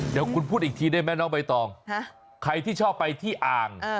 เดี๋ยวคุณพูดอีกทีได้ไหมน้องใบตองใครที่ชอบไปที่อ่าง